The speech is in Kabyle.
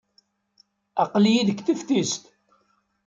Aql-iyi deg teftist.